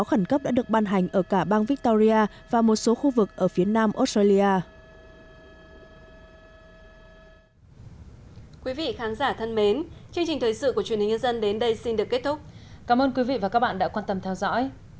hẹn gặp lại các bạn trong những video tiếp theo